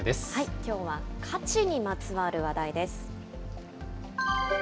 きょうは価値にまつわる話題です。